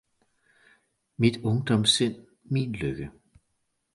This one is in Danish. mit ungdomssind min lykke!